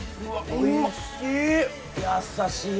おいしい。